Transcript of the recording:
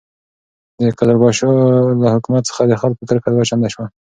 د قزلباشو له حکومت څخه د خلکو کرکه دوه چنده شوه.